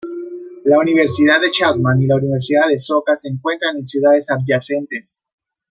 La Universidad de Chapman y la Universidad de Soka se encuentran en ciudades adyacentes.